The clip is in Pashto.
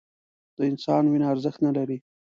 د انسان وینه ارزښت نه لري